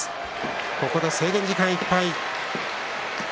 ここで制限時間いっぱい。